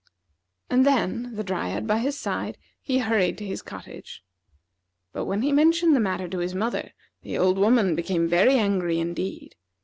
And then, the Dryad by his side, he hurried to his cottage. But when he mentioned the matter to his mother, the old woman became very angry indeed.